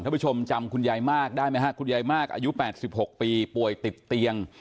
ผู้ชมจำคุณยายมากได้ไหมฮะคุณยายมากอายุ๘๖ปีป่วยติดเตียง